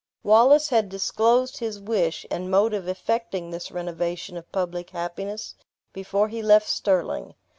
Wallace had disclosed his wish, and mode of effecting this renovation of public happiness, before he left Stirling.